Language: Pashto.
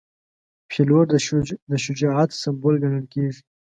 پیلوټ د شجاعت سمبول ګڼل کېږي.